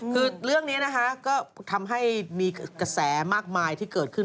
คือเรื่องนี้นะคะก็ทำให้มีกระแสมากมายที่เกิดขึ้น